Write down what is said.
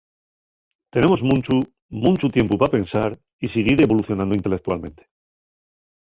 Tenemos munchu, munchu tiempu pa pensar y siguir evolucionando intelectualmente.